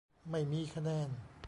ไม่มีคะแนน